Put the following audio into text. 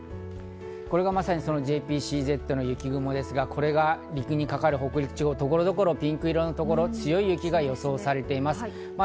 これがまさにＪＰＣＺの雪雲ですが、これが右かかる北陸地方、ピンク色のところ所々強い雪が予想されています。